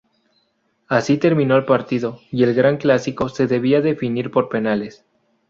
Así terminó el partido, y el gran clásico se debía definir por penales.